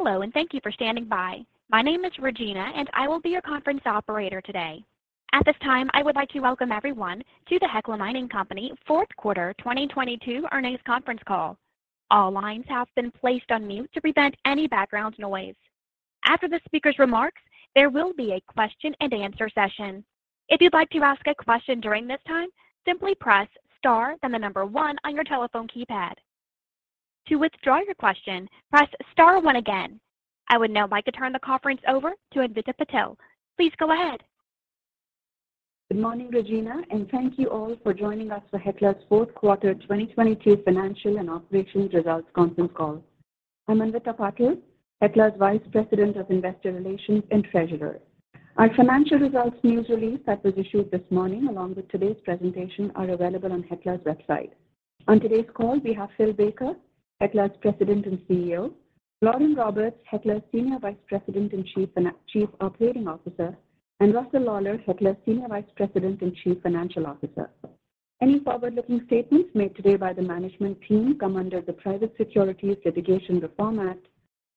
Hello, and thank you for standing by. My name is Regina, and I will be your conference operator today. At this time, I would like to welcome everyone to the Hecla Mining Company fourth quarter 2022 earnings conference call. All lines have been placed on mute to prevent any background noise. After the speaker's remarks, there will be a question and answer session. If you'd like to ask a question during this time, simply press star then the number one on your telephone keypad. To withdraw your question, press star one again. I would now like to turn the conference over to Anvita Patil. Please go ahead. Good morning, Regina. Thank you all for joining us for Hecla's 4th quarter 2022 financial and operations results conference call. I'm Anvita Patil, Hecla's Vice President of Investor Relations and Treasurer. Our financial results news release that was issued this morning along with today's presentation are available on Hecla's website. On today's call, we have Phil Baker, Hecla's President and CEO; Lauren Roberts, Hecla's Senior Vice President and Chief Operating Officer; and Russell Lawlar, Hecla's Senior Vice President and Chief Financial Officer. Any forward-looking statements made today by the management team come under the Private Securities Litigation Reform Act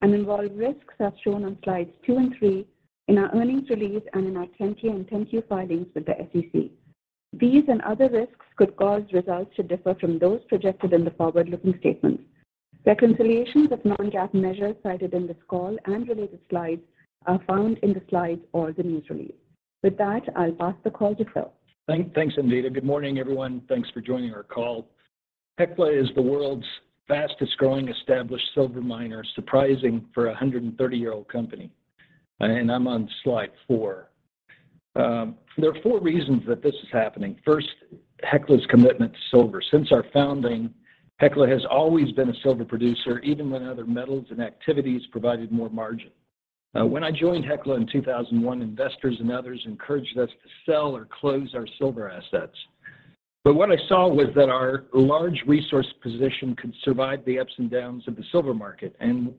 and involve risks as shown on slides two and three in our earnings release and in our 10-K and 10-Q filings with the SEC. These and other risks could cause results to differ from those projected in the forward-looking statements. Reconciliations of non-GAAP measures cited in this call and related slides are found in the slides or the news release. With that, I'll pass the call to Phil. Thanks, Anvita. Good morning, everyone. Thanks for joining our call. Hecla is the world's fastest growing established silver miner, surprising for a 130-year-old company. I'm on slide four. There are four reasons that this is happening. First, Hecla's commitment to silver. Since our founding, Hecla has always been a silver producer even when other metals and activities provided more margin. When I joined Hecla in 2001, investors and others encouraged us to sell or close our silver assets. What I saw was that our large resource position could survive the ups and downs of the silver market, and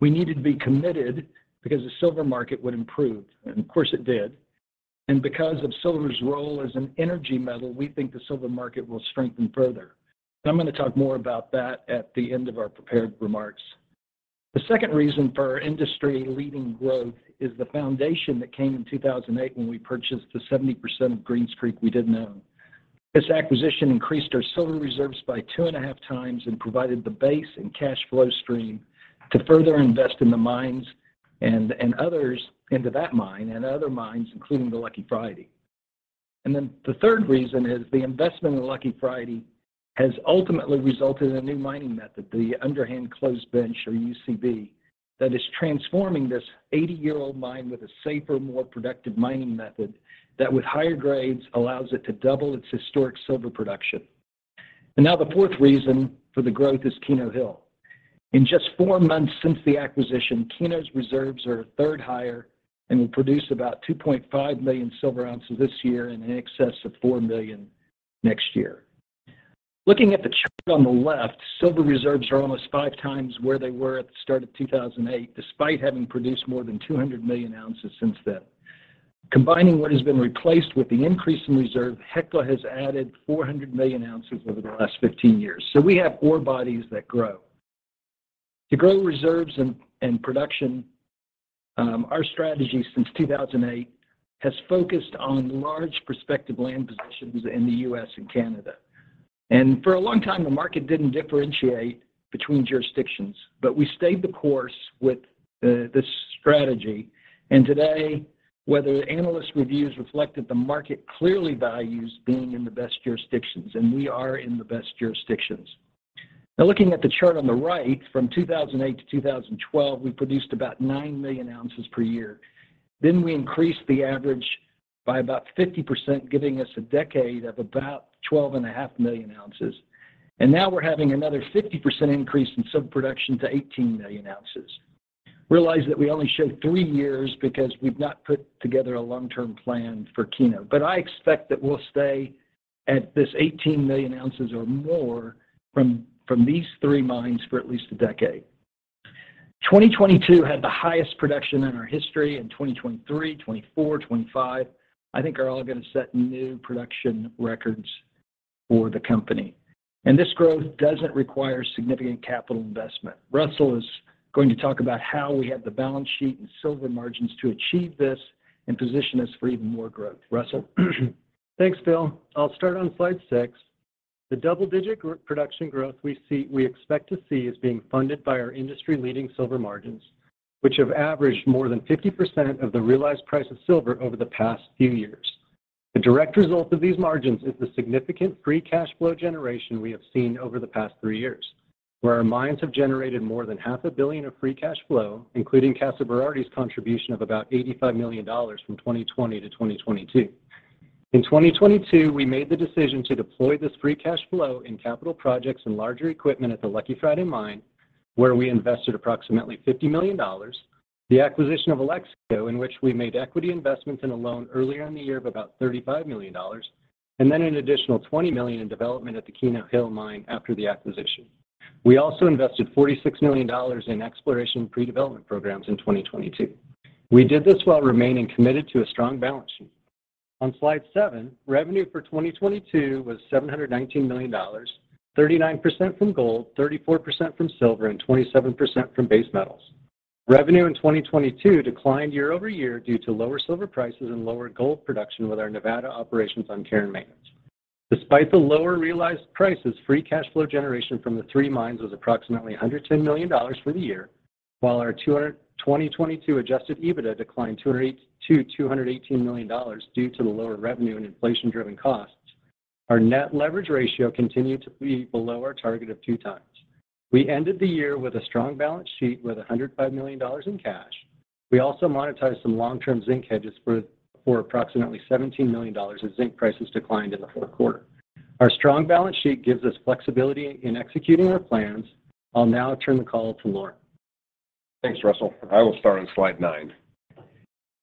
we needed to be committed because the silver market would improve. Of course it did. Because of silver's role as an energy metal, we think the silver market will strengthen further. I'm gonna talk more about that at the end of our prepared remarks. The second reason for our industry-leading growth is the foundation that came in 2008 when we purchased the 70% of Greens Creek we didn't own. This acquisition increased our silver reserves by 2.5x and provided the base and cash flow stream to further invest in the mines and others into that mine and other mines, including the Lucky Friday. The third reason is the investment in Lucky Friday has ultimately resulted in a new mining method, the Underhand Closed Bench, or UCB, that is transforming this 80-year-old mine with a safer, more productive mining method that with higher grades allows it to double its historic silver production. Now the fourth reason for the growth is Keno Hill. In just four months since the acquisition, Keno Hill's reserves are a third higher and will produce about $2.5 million silver ounces this year and in excess of $4 million next year. Looking at the chart on the left, silver reserves are almost five times where they were at the start of 2008, despite having produced more than 200 million ounces since then. Combining what has been replaced with the increase in reserve, Hecla has added 400 million ounces over the last 15 years, we have ore bodies that grow. To grow reserves and production, our strategy since 2008 has focused on large prospective land positions in the U.S. and Canada. For a long time, the market didn't differentiate between jurisdictions, but we stayed the course with this strategy. Today, whether the analyst reviews reflect it, the market clearly values being in the best jurisdictions, and we are in the best jurisdictions. Now looking at the chart on the right, from 2008 to 2012, we produced about 9 million ounces per year. Then we increased the average by about 50%, giving us a decade of about 12.5 million ounces. Now we're having another 50% increase in silver production to 18 million ounces. Realize that we only show three years because we've not put together a long-term plan for Keno. I expect that we'll stay at this 18 million ounces or more from these three mines for at least a decade. 2022 had the highest production in our history, 2023, 2024, 2025, I think are all gonna set new production records for the company. This growth doesn't require significant capital investment. Russell is going to talk about how we have the balance sheet and silver margins to achieve this and position us for even more growth. Russell. Thanks, Phil. I'll start on slide six. The double-digit production growth we see, we expect to see is being funded by our industry-leading silver margins, which have averaged more than 50% of the realized price of silver over the past few years. The direct result of these margins is the significant free cash flow generation we have seen over the past three years, where our mines have generated more than half a Philion of free cash flow, including Casa Berardi's contribution of about $85 million from 2020 to 2022. In 2022, we made the decision to deploy this free cash flow in capital projects and larger equipment at the Lucky Friday Mine, where we invested approximately $50 million, the acquisition of Alexco, in which we made equity investments in a loan earlier in the year of about $35 million, and then an additional $20 million in development at the Keno Hill Mine after the acquisition. We also invested $46 million in exploration pre-development programs in 2022. We did this while remaining committed to a strong balance sheet. On slide seven, revenue for 2022 was $719 million, 39% from gold, 34% from silver, and 27% from base metals. Revenue in 2022 declined year-over-year due to lower silver prices and lower gold production with our Nevada operations on care and maintenance. Despite the lower realized prices, free cash flow generation from the three mines was approximately $110 million for the year. While our 2022 adjusted EBITDA declined $208 million-$218 million due to the lower revenue and inflation-driven costs, our net leverage ratio continued to be below our target of two times. We ended the year with a strong balance sheet with $105 million in cash. We also monetized some long-term zinc hedges for approximately $17 million as zinc prices declined in the fourth quarter. Our strong balance sheet gives us flexibility in executing our plans. I'll now turn the call to Lauren. Thanks, Russell. I will start on slide nine.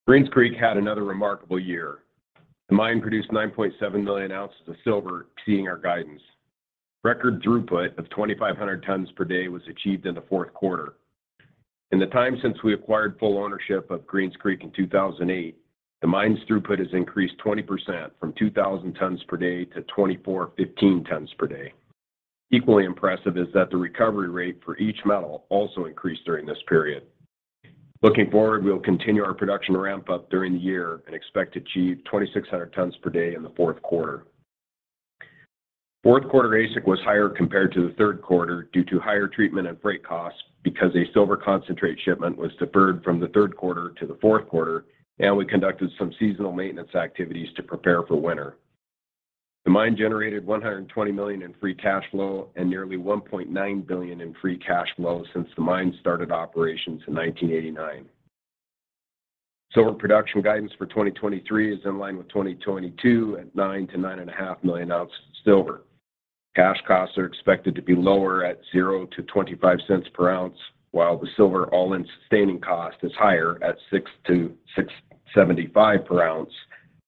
Greens Creek had another remarkable year. The mine produced 9.7 million ounces of silver, exceeding our guidance. Record throughput of 2,500 tons per day was achieved in the fourth quarter. In the time since we acquired full ownership of Greens Creek in 2008, the mine's throughput has increased 20% from 2,000 tons per day to 2,415 tons per day. Equally impressive is that the recovery rate for each metal also increased during this period. Looking forward, we'll continue our production ramp up during the year and expect to achieve 2,600 tons per day in the fourth quarter. Fourth quarter AISC was higher compared to the third quarter due to higher treatment and freight costs because a silver concentrate shipment was deferred from the third quarter to the fourth quarter. We conducted some seasonal maintenance activities to prepare for winter. The mine generated $120 million in free cash flow and nearly $1.9 Philion in free cash flow since the mine started operations in 1989. Silver production guidance for 2023 is in line with 2022 at 9 million-9.5 million ounces of silver. Cash costs are expected to be lower at $0.00-$0.25 per ounce, while the silver all-in sustaining cost is higher at $6.00-$6.75 per ounce,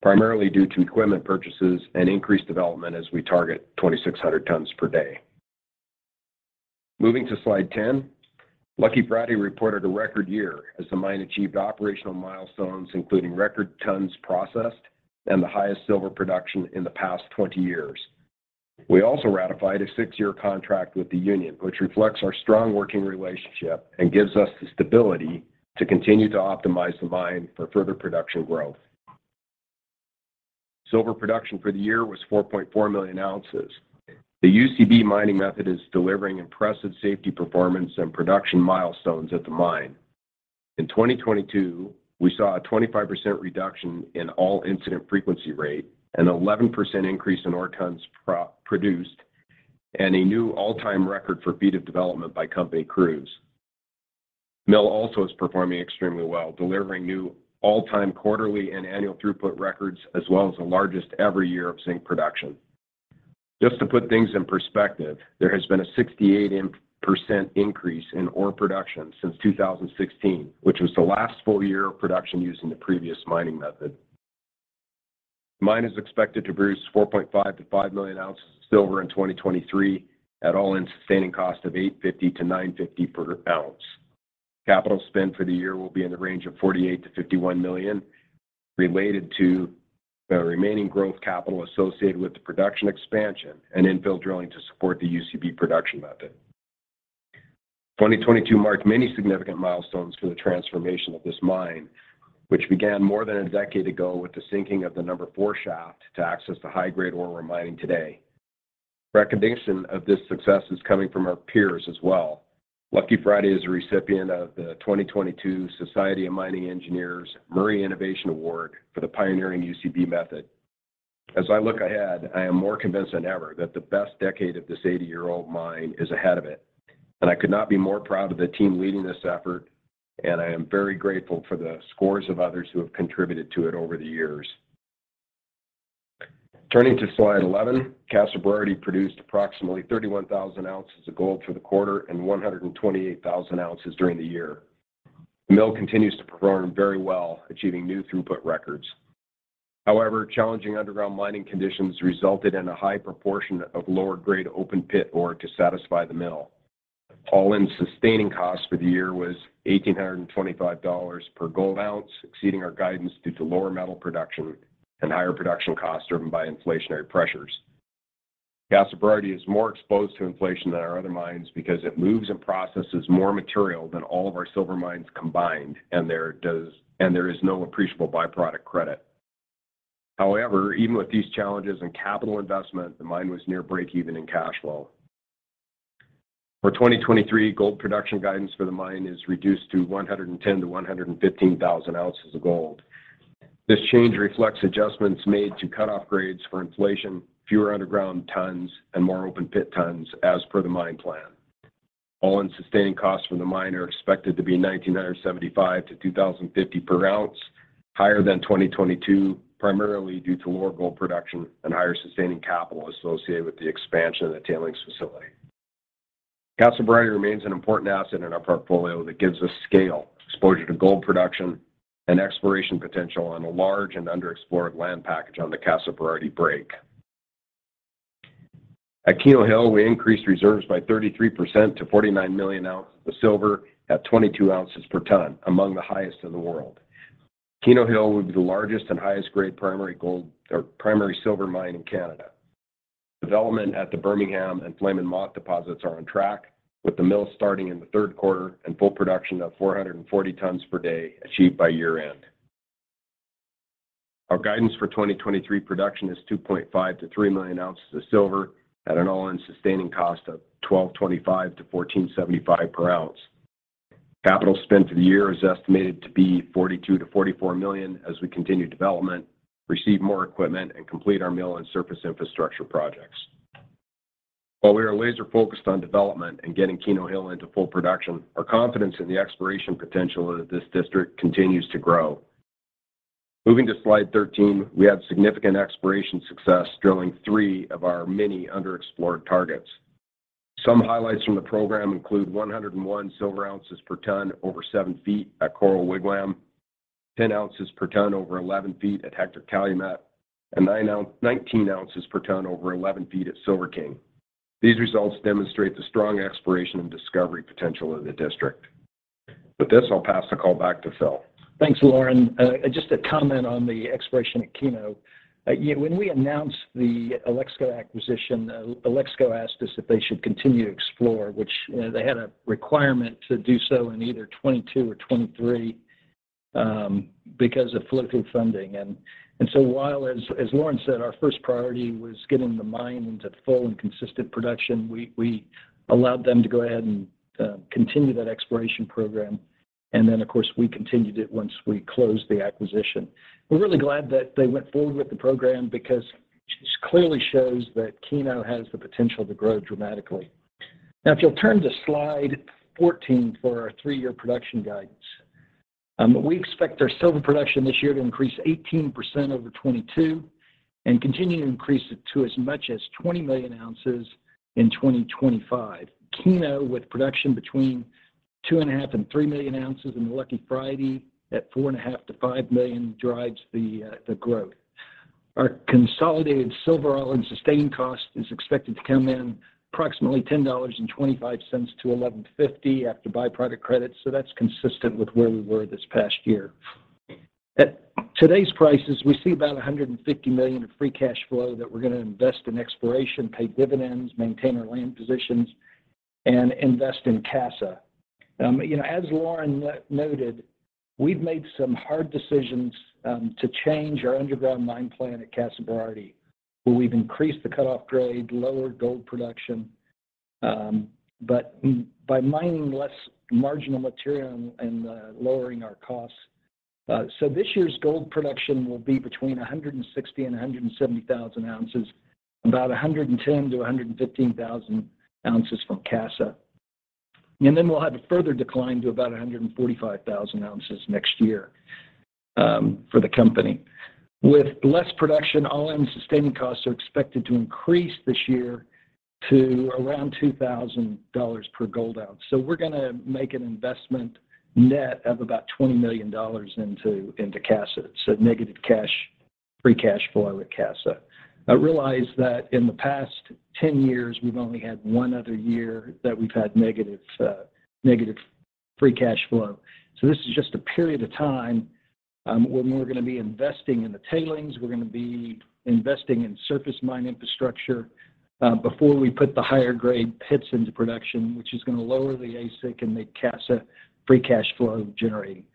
primarily due to equipment purchases and increased development as we target 2,600 tons per day. Moving to slide 10, Lucky Friday reported a record year as the mine achieved operational milestones, including record tons processed and the highest silver production in the past 20 years. We also ratified a six-year contract with the union, which reflects our strong working relationship and gives us the stability to continue to optimize the mine for further production growth. Silver production for the year was 4.4 million ounces. The UCB mining method is delivering impressive safety performance and production milestones at the mine. In 2022, we saw a 25% reduction in All-injury Frequency Rate, an 11% increase in ore tons produced, and a new all-time record for feet of development by company crews. Mill also is performing extremely well, delivering new all-time quarterly and annual throughput records, as well as the largest ever year of zinc production. Just to put things in perspective, there has been a 68% increase in ore production since 2016, which was the last full year of production using the previous mining method. Mine is expected to produce 4.5 million-5 million ounces of silver in 2023 at all-in sustaining cost of $850-$950 per ounce. Capital spend for the year will be in the range of $48 million-$51 million related to the remaining growth capital associated with the production expansion and infill drilling to support the UCB production method. 2022 marked many significant milestones for the transformation of this mine, which began more than a decade ago with the sinking of the number four shaft to access the high-grade ore we're mining today. Recognition of this success is coming from our peers as well. Lucky Friday is a recipient of the 2022 Society for Mining, Metallurgy & Exploration Robert E. Murray Innovation Award for the pioneering UCB method. As I look ahead, I am more convinced than ever that the best decade of this 80-year-old mine is ahead of it, and I could not be more proud of the team leading this effort, and I am very grateful for the scores of others who have contributed to it over the years. Turning to slide 11, Casa Berardi produced approximately 31,000 ounces of gold for the quarter and 128,000 ounces during the year. The mill continues to perform very well, achieving new throughput records. However, challenging underground mining conditions resulted in a high proportion of lower grade open pit ore to satisfy the mill. All-in sustaining cost for the year was $1,825 per gold ounce, exceeding our guidance due to lower metal production and higher production costs driven by inflationary pressures. Casa Berardi is more exposed to inflation than our other mines because it moves and processes more material than all of our silver mines combined, and there is no appreciable by-product credit. However, even with these challenges and capital investment, the mine was near breakeven in cash flow. For 2023, gold production guidance for the mine is reduced to 110,000-115,000 ounces of gold. This change reflects adjustments made to cutoff grades for inflation, fewer underground tons, and more open pit tons as per the mine plan. all-in sustaining costs for the mine are expected to be $1,975-$2,050 per ounce, higher than 2022, primarily due to lower gold production and higher sustaining capital associated with the expansion of the tailings facility. Casa Berardi remains an important asset in our portfolio that gives us scale, exposure to gold production, and exploration potential on a large and underexplored land package on the Casa Berardi break. At Keno Hill, we increased reserves by 33% to 49 million ounces of silver at 22 ounces per ton, among the highest in the world. Keno Hill would be the largest and highest grade primary gold or primary silver mine in Canada. Development at the Birmingham and Flame & Moth deposits are on track, with the mill starting in the third quarter and full production of 440 tons per day achieved by year-end. Our guidance for 2023 production is 2.5 million-3 million ounces of silver at an all-in sustaining cost of $12.25-$14.75 per ounce. Capital spend for the year is estimated to be $42 million-$44 million as we continue development, receive more equipment, and complete our mill and surface infrastructure projects. While we are laser-focused on development and getting Keno Hill into full production, our confidence in the exploration potential of this district continues to grow. Moving to slide 13, we had significant exploration success drilling three of our many underexplored targets. Some highlights from the program include 101 silver ounces per ton over seven feet at Coral Wigwam, 10 ounces per ton over 11 feet at Hector-Calumet, and 19 ounces per ton over 11 feet at Silver King. These results demonstrate the strong exploration and discovery potential of the district. With this, I'll pass the call back to Phil. Thanks, Lauren. Just a comment on the exploration at Keno. You know, when we announced the Alexco acquisition, Alexco asked us if they should continue to explore, which, you know, they had a requirement to do so in either 2022 or 2023, because of political funding. While, as Lauren said, our first priority was getting the mine into full and consistent production, we allowed them to go ahead and continue that exploration program. Then, of course, we continued it once we closed the acquisition. We're really glad that they went forward with the program because this clearly shows that Keno has the potential to grow dramatically. If you'll turn to slide 14 for our three-year production guidance. We expect our silver production this year to increase 18% over 2022 and continue to increase it to as much as 20 million ounces in 2025. Keno, with production between 2.5 million-3 million ounces, and the Lucky Friday at 4.5 million-5 million, drives growth. Our consolidated silver all-in sustaining cost is expected to come in approximately $10.25-$11.50 after by-product credits. That's consistent with where we were this past year. At today's prices, we see about $150 million in free cash flow that we're gonna invest in exploration, pay dividends, maintain our land positions, and invest in Casa. You know, as Lauren noted, we've made some hard decisions to change our underground mine plan at Casa Berardi, where we've increased the cutoff grade, lowered gold production, but by mining less marginal material and lowering our costs. This year's gold production will be between 160,000 and 170,000 ounces, about 110,000 to 115,000 ounces from Casa. We'll have a further decline to about 145,000 ounces next year for the company. With less production, all-in sustaining costs are expected to increase this year to around $2,000 per gold ounce. We're gonna make an investment net of about $20 million into Casa. Negative cash, free cash flow at Casa. Realize that in the past 10 years, we've only had one other year that we've had negative free cash flow. This is just a period of time, when we're gonna be investing in the tailings, we're gonna be investing in surface mine infrastructure, before we put the higher grade pits into production, which is gonna lower the AISC and make Casa free cash flow generating.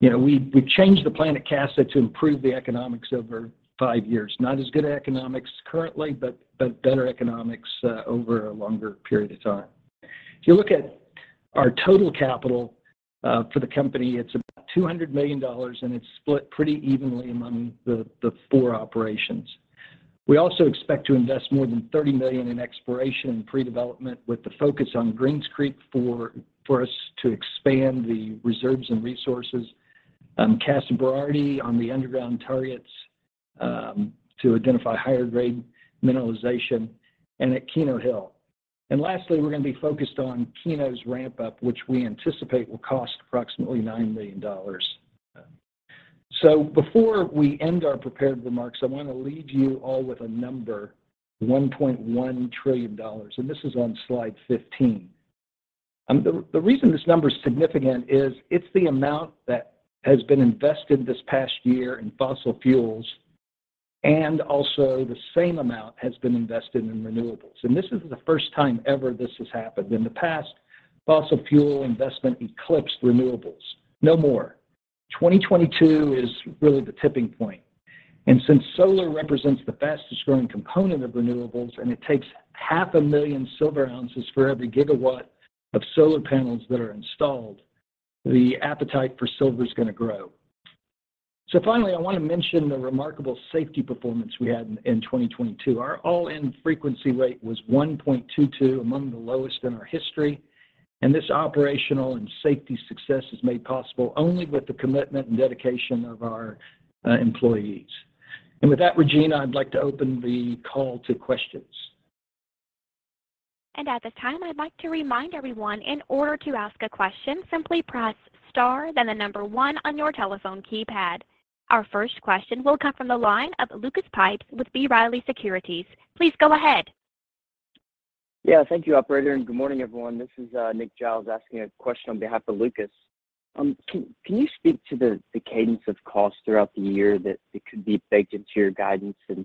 You know, we changed the plan at Casa to improve the economics over five years. Not as good economics currently, but better economics over a longer period of time. If you look at our total capital for the company, it's about $200 million, and it's split pretty evenly among the four operations. We also expect to invest more than $30 million in exploration and pre-development with the focus on Greens Creek for us to expand the reserves and resources, Casa Berardi on the underground targets to identify higher grade mineralization, and at Keno Hill. Lastly, we're gonna be focused on Keno's ramp up, which we anticipate will cost approximately $9 million. Before we end our prepared remarks, I want to leave you all with a number, $1.1 trillion. This is on slide 15. The reason this number's significant is it's the amount that has been invested this past year in fossil fuels. Also the same amount has been invested in renewables. This is the first time ever this has happened. In the past, fossil fuel investment eclipsed renewables. No more. 2022 is really the tipping point. Since solar represents the fastest growing component of renewables, and it takes half a million silver ounces for every gigawatt of solar panels that are installed, the appetite for silver is gonna grow. Finally, I want to mention the remarkable safety performance we had in 2022. Our All-injury Frequency Rate was 1.22, among the lowest in our history. This operational and safety success is made possible only with the commitment and dedication of our employees. With that, Regina, I'd like to open the call to questions. At this time, I'd like to remind everyone in order to ask a question, simply press star then 1 on your telephone keypad. Our first question will come from the line of Lucas Pipes with B. Riley Securities. Please go ahead. Thank you, operator. Good morning everyone. This is Nick Giles asking a question on behalf of Lucas Pipes. Can you speak to the cadence of costs throughout the year that it could be baked into your guidance and,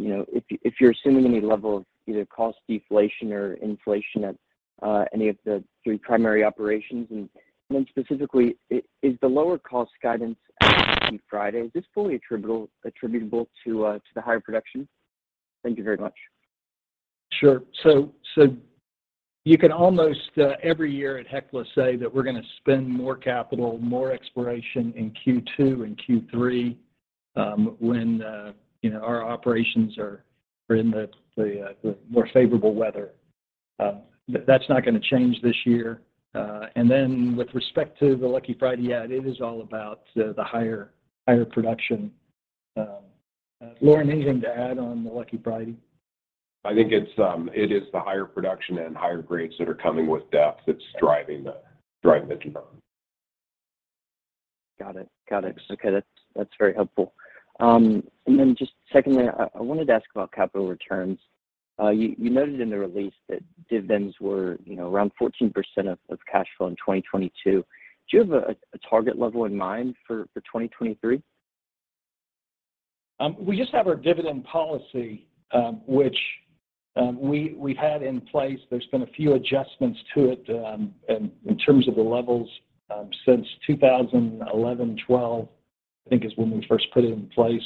you know, if you're assuming any level of either cost deflation or inflation at any of the three primary operations and then specifically is the lower cost guidance at Lucky Friday, is this fully attributable to the higher production? Thank you very much. Sure. You can almost every year at Hecla say that we're gonna spend more capital, more exploration in Q2 and Q3, when, you know, our operations are in the more favorable weather. That's not gonna change this year. With respect to the Lucky Friday, yeah, it is all about the higher production. Lauren, anything to add on the Lucky Friday? I think it's, it is the higher production and higher grades that are coming with depth that's driving the demand. Got it. Okay. That's very helpful. Then just secondly, I wanted to ask about capital returns. You noted in the release that dividends were, you know, around 14% of cash flow in 2022. Do you have a target level in mind for 2023? We just have our dividend policy, which we had in place. There's been a few adjustments to it in terms of the levels since 2011, 2012, I think is when we first put it in place.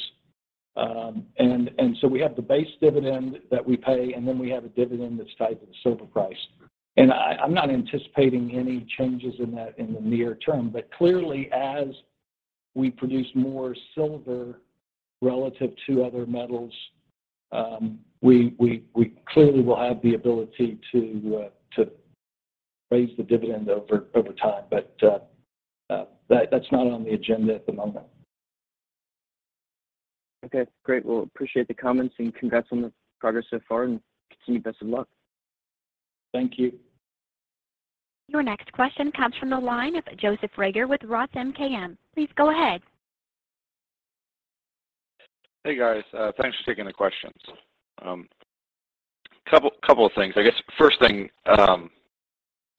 We have the base dividend that we pay, and then we have a dividend that's tied to the silver price. I'm not anticipating any changes in that in the near term. Clearly, as we produce more silver relative to other metals, we clearly will have the ability to raise the dividend over time. That's not on the agenda at the moment. Okay. Great. Well, appreciate the comments and congrats on the progress so far and continued best of luck. Thank you. Your next question comes from the line of Joseph Reagor with ROTH MKM. Please go ahead. Hey, guys. Thanks for taking the questions. couple of things. I guess first thing,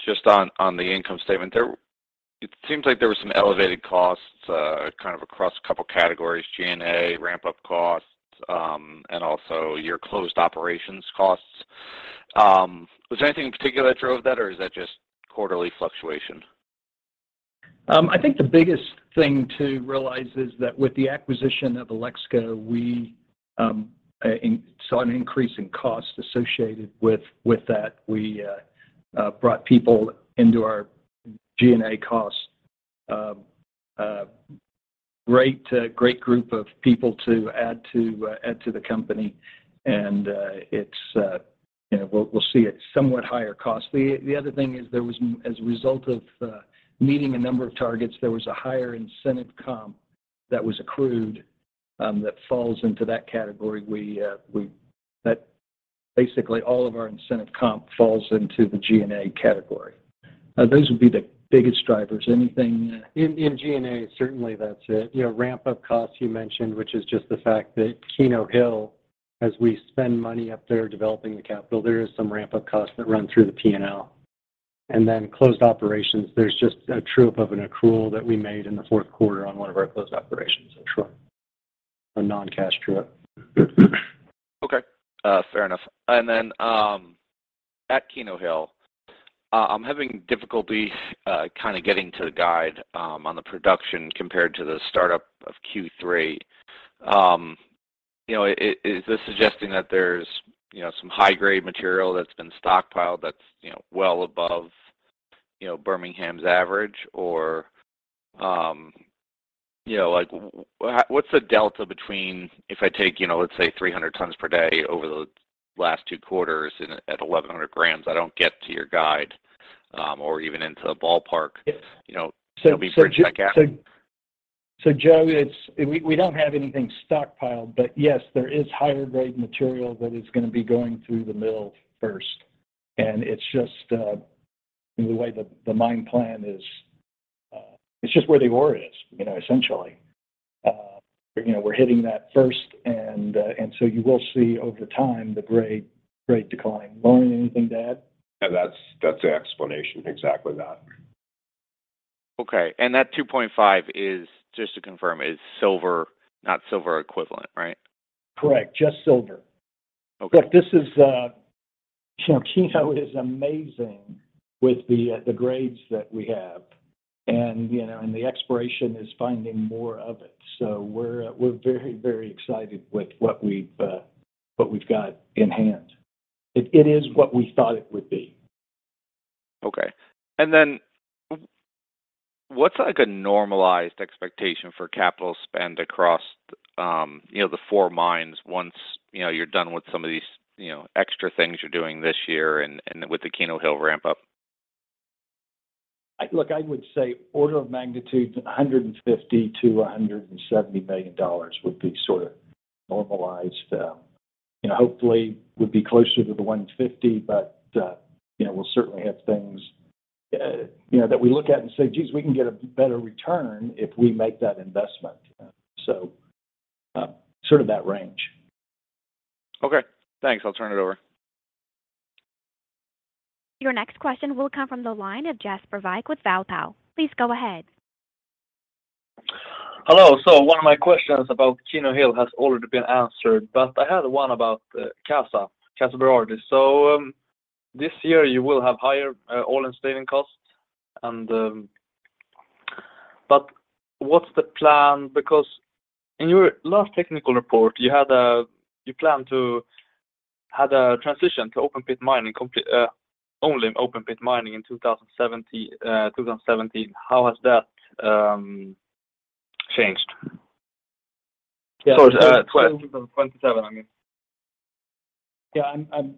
just on the income statement there. It seems like there was some elevated costs, kind of across a couple categories, G&A, ramp-up costs, and also your closed operations costs. Was there anything in particular that drove that, or is that just quarterly fluctuation? I think the biggest thing to realize is that with the acquisition of Alexco, we saw an increase in cost associated with that. We brought people into our G&A costs. A great group of people to add to the company, and, you know, we'll see a somewhat higher cost. The other thing is there was, as a result of meeting a number of targets, there was a higher incentive comp that was accrued that falls into that category. That basically all of our incentive comp falls into the G&A category. Those would be the biggest drivers. Anything. In G&A, certainly that's it. You know, ramp-up costs you mentioned, which is just the fact that Keno Hill, as we spend money up there developing the capital, there is some ramp-up costs that run through the P&L. Closed operations, there's just a true-up of an accrual that we made in the fourth quarter on one of our closed operations in Troy, a non-cash true-up. Okay. fair enough. Then, at Keno Hill, I'm having difficulty kinda getting to the guide on the production compared to the startup of Q3. you know, is this suggesting that there's, you know, some high-grade material that's been stockpiled that's, you know, well above, you know, Birmingham's average? you know, like what's the delta between if I take, you know, let's say 300 tons per day over the last two quarters and at 1,100 grams, I don't get to your guide, or even into the ballpark. Yes. You know, can you bridge that gap? Joe, We don't have anything stockpiled. Yes, there is higher grade material that is gonna be going through the mill first. It's just the way the mine plan is, it's just where the ore is, you know, essentially. You know, we're hitting that first you will see over time the grade decline. Lauren, anything to add? That's the explanation. Exactly that. That 2.5 is, just to confirm, is silver, not silver equivalent, right? Correct. Just silver. Okay. This is, you know, Keno is amazing with the grades that we have and, you know, and the exploration is finding more of it. We're very, very excited with what we've, what we've got in hand. It, it is what we thought it would be. Okay. What's like a normalized expectation for capital spend across, you know, the 4 mines once, you know, you're done with some of these, you know, extra things you're doing this year and with the Keno Hill ramp-up? I, look, I would say order of magnitude, $150 million-$170 million would be sort of normalized. you know, hopefully, we'll be closer to the $150, but, you know, we'll certainly have things, you know, that we look at and say, Geez, we can get a better return if we make that investment. sort of that range. Okay. Thanks. I'll turn it over. Your next question will come from the line of Heiko Ihle with H.C. Wainwright. Please go ahead. Hello. One of my questions about Keno Hill has already been answered, but I had one about Casa Berardi. This year you will have higher all-in streaming costs and what's the plan? Because in your last technical report, had a transition to open pit mining complete only open pit mining in 2070. How has that changed? Sorry, 2027, I mean. Yeah.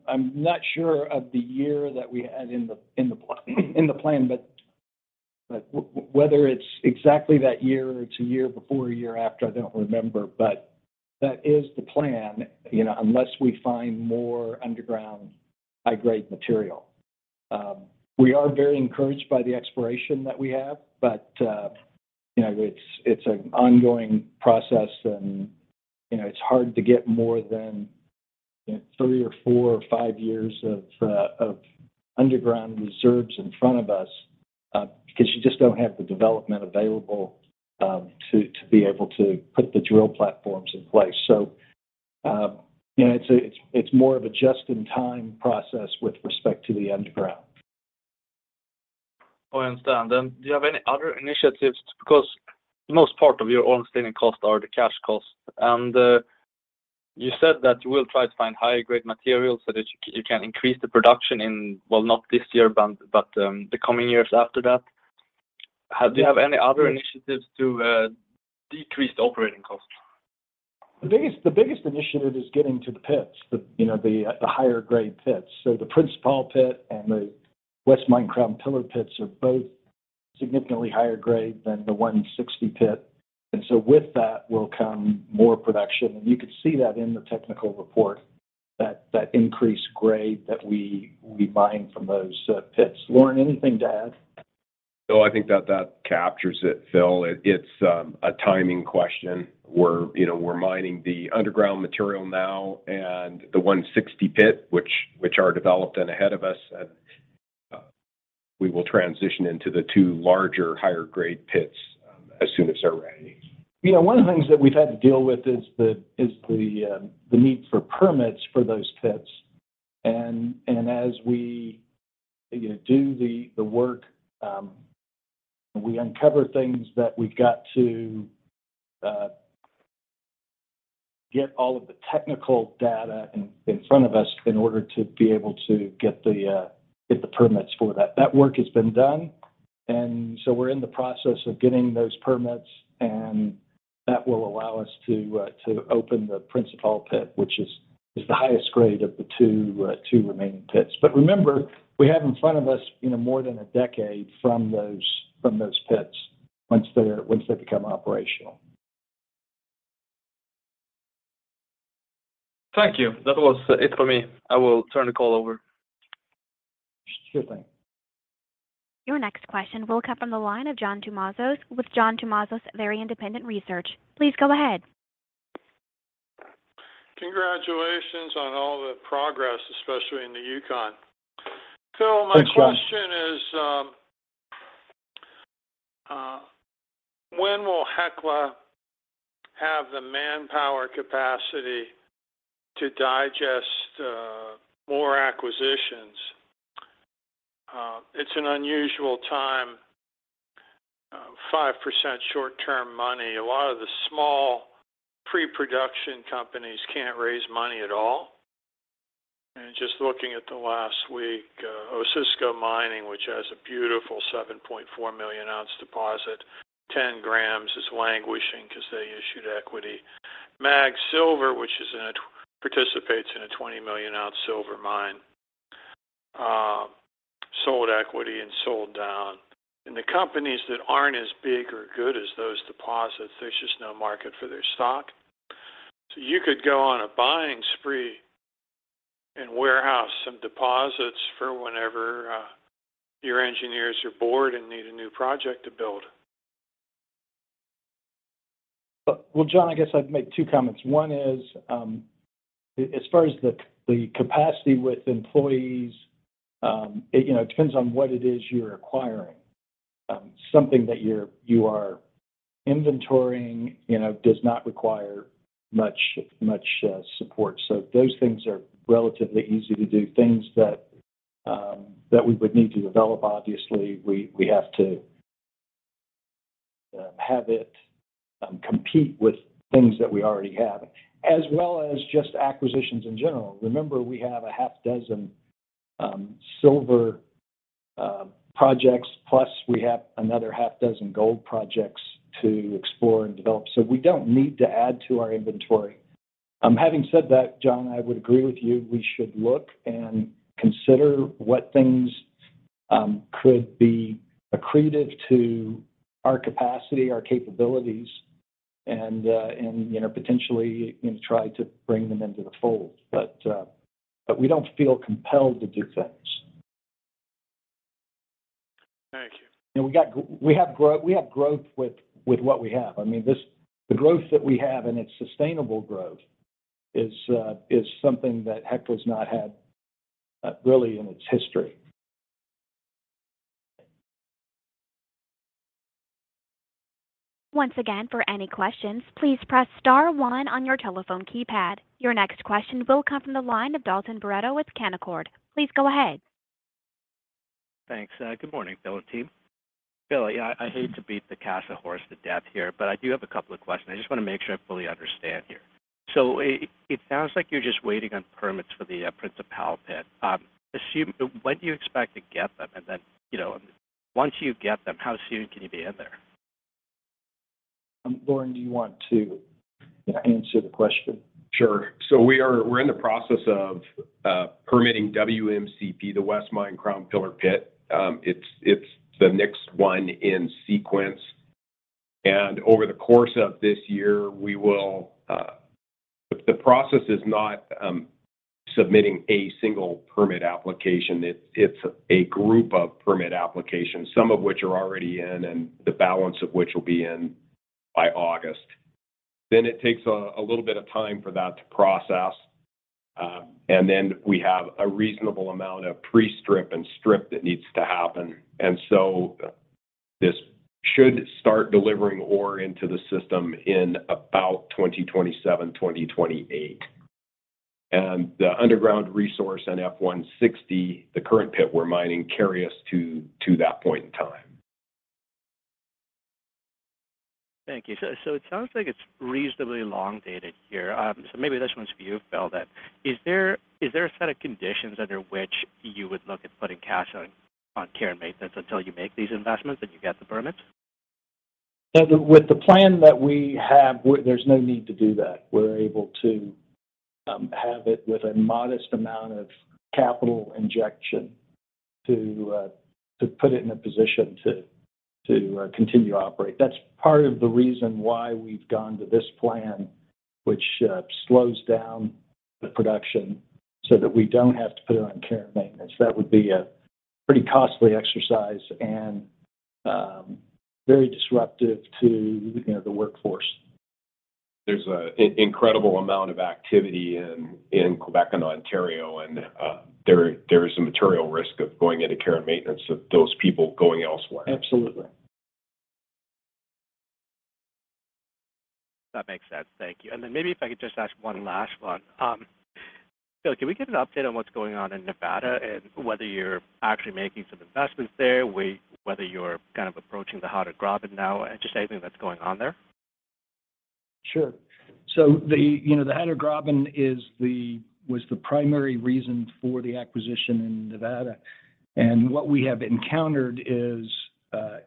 I'm not sure of the year that we had in the plan, but whether it's exactly that year or it's a year before, a year after, I don't remember, but that is the plan. You know, unless we find more underground high-grade material. We are very encouraged by the exploration that we have, but, you know, it's an ongoing process and, you know, it's hard to get more than three or four or five years of underground reserves in front of us, because you just don't have the development available to be able to put the drill platforms in place. You know, it's more of a just in time process with respect to the underground. I understand. Do you have any other initiatives? Because the most part of your own standing costs are the cash costs. You said that you will try to find higher grade materials so that you can increase the production in, well, not this year, but the coming years after that. Have you any other initiatives to decrease the operating costs? The biggest initiative is getting to the pits, the, you know, the higher grade pits. The Principal Pit and the West Mine Crown Pillar pits are both significantly higher grade than the 160 pit. With that will come more production, and you can see that in the technical report, that increased grade that we mine from those pits. Lauren, anything to add? No, I think that that captures it, Phil. It, it's a timing question. We're, you know, we're mining the underground material now and the 160 pit, which are developed and ahead of us, and we will transition into the two larger higher grade pits as soon as they're ready. You know, one of the things that we've had to deal with is the need for permits for those pits. As we, you know, do the work, we uncover things that we've got to get all of the technical data in front of us in order to be able to get the permits for that. That work has been done, we're in the process of getting those permits, that will allow us to open the Principal Pit, which is the highest grade of the two remaining pits. Remember, we have in front of us, you know, more than a decade from those pits once they become operational. Thank you. That was it for me. I will turn the call over. Sure thing. Your next question will come from the line of John Tumazos with John Tumazos Very Independent Research. Please go ahead. Congratulations on all the progress, especially in the Yukon. Thanks, John. Phil, my question is, when will Hecla have the manpower capacity to digest more acquisitions? It's an unusual time, 5% short-term money. A lot of the small pre-production companies can't raise money at all. Just looking at the last week, Osisko Mining, which has a beautiful 7.4 million ounce deposit, 10 grams is languishing because they issued equity. MAG Silver, which participates in a 20 million ounce silver mine, sold equity and sold down. The companies that aren't as big or good as those deposits, there's just no market for their stock. You could go on a buying spree and warehouse some deposits for whenever your engineers are bored and need a new project to build. Well, John, I guess I'd make two comments. One is, as far as the capacity with employees, it, you know, depends on what it is you're acquiring. Something that you're, you are inventorying, you know, does not require much support. So those things are relatively easy to do. Things that we would need to develop, obviously, we have to have it compete with things that we already have, as well as just acquisitions in general. Remember, we have a half dozen silver projects, plus we have another half dozen gold projects to explore and develop. So we don't need to add to our inventory. Having said that, John, I would agree with you. We should look and consider what things, could be accretive to our capacity, our capabilities, and, you know, potentially, you know, try to bring them into the fold. We don't feel compelled to do things. Thank you. We got we have growth with what we have. I mean, the growth that we have, and it's sustainable growth, is something that Hecla's not had really in its history. Once again, for any questions, please press star one on your telephone keypad. Your next question will come from the line of Dalton Baretto with Canaccord. Please go ahead. Thanks. Good morning, Phil and team. Phil, yeah, I hate to beat the Casa Berardi horse to death here, but I do have a couple of questions. I just wanna make sure I fully understand here. It sounds like you're just waiting on permits for the Principal Pit. When do you expect to get them? Then, you know, once you get them, how soon can you be in there? Lauren, do you want to answer the question? Sure. We're in the process of permitting WMCP, the West Mine Crown Pillar pit. It's the next one in sequence. Over the course of this year, we will. The process is not submitting a single permit application. It's a group of permit applications, some of which are already in, and the balance of which will be in by August. It takes a little bit of time for that to process, and then we have a reasonable amount of pre-strip and strip that needs to happen. This should start delivering ore into the system in about 2027, 2028. The underground resource in F160, the current pit we're mining, carry us to that point in time. Thank you. It sounds like it's reasonably long-dated here. Maybe this one's for you, Phil, then. Is there a set of conditions under which you would look at putting cash on care and maintenance until you make these investments and you get the permits? With the plan that we have, there's no need to do that. We're able to have it with a modest amount of capital injection to put it in a position to continue to operate. That's part of the reason why we've gone to this plan, which slows down the production so that we don't have to put it on care and maintenance. That would be a pretty costly exercise and very disruptive to, you know, the workforce. There's a incredible amount of activity in Quebec and Ontario and there is a material risk of going into care and maintenance of those people going elsewhere. Absolutely. That makes sense. Thank you. Maybe if I could just ask one last one. Phil, can we get an update on what's going on in Nevada and whether you're actually making some investments there, whether you're kind of approaching the HeiderGgraben now, and just anything that's going on there? Sure. The, you know, the Heider Graben is the primary reason for the acquisition in Nevada. What we have encountered is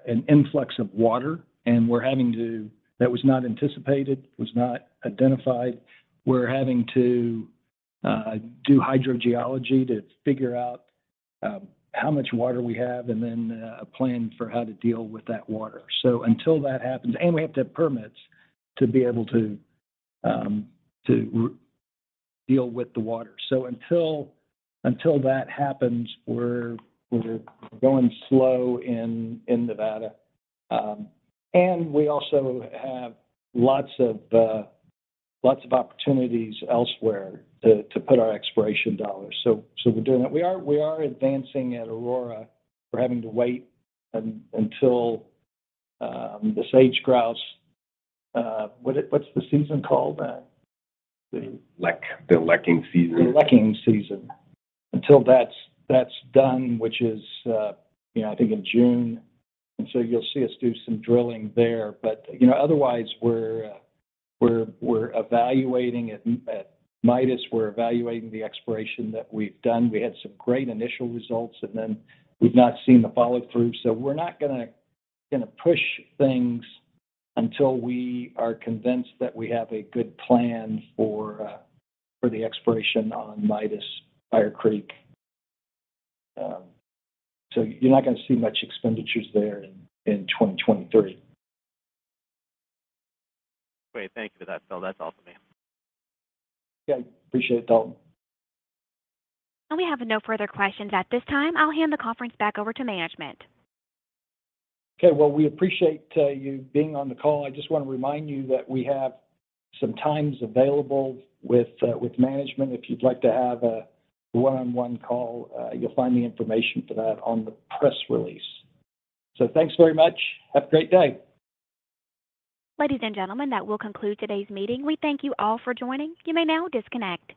an influx of water, and we're having to. That was not anticipated, was not identified. We're having to do hydrogeology to figure out how much water we have and then a plan for how to deal with that water. Until that happens. And we have to have permits to be able to deal with the water. Until that happens, we're going slow in Nevada. And we also have lots of opportunities elsewhere to put our exploration dollars. We're doing that. We are advancing at Aurora. We're having to wait until the sage grouse, what's the season called? The leaching season. The leaching season. Until that's done, which is, you know, I think in June. You'll see us do some drilling there. You know, otherwise we're evaluating at Midas, we're evaluating the exploration that we've done. We had some great initial results, and then we've not seen the follow-through. We're not gonna push things until we are convinced that we have a good plan for the exploration on Midas, Fire Creek. You're not gonna see much expenditures there in 2023. Great. Thank you for that, Phil. That's all for me. Yeah. Appreciate it, Dalton. We have no further questions at this time. I'll hand the conference back over to management. Okay. Well, we appreciate you being on the call. I just wanna remind you that we have some times available with management. If you'd like to have a one-on-one call, you'll find the information for that on the press release. Thanks very much. Have a great day. Ladies and gentlemen, that will conclude today's meeting. We thank you all for joining. You may now disconnect.